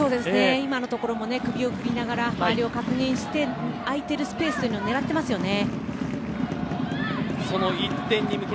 今のところも首を振りながら周りを確認して空いているスペースを狙っていますよね。